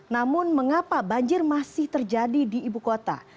namun mengapa banjir masih terjadi di ibu kota